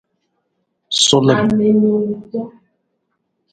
Sulim.